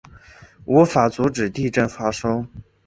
无法阻止地震发生